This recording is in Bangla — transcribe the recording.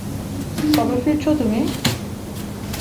কবে ফিরছো তুমি?